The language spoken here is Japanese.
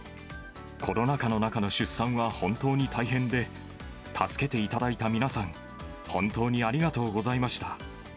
コロナ禍の中の出産は本当に大変で、助けていただいた皆さん、本当にありがとうございました。